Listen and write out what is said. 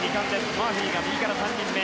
マーフィーが右から３人目。